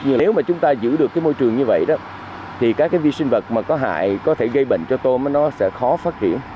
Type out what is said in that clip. nhưng nếu mà chúng ta giữ được cái môi trường như vậy đó thì các cái vi sinh vật mà có hại có thể gây bệnh cho tôm nó sẽ khó phát triển